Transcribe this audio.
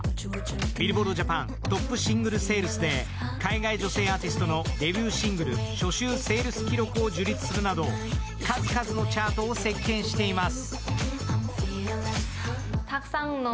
ＢｉｌｌｂｏａｒｄＪＡＰＡＮトップシングルセールスで海外女性アーティストのデビューシングル初週セールス記録を樹立するなど、数々のチャートを席巻しています。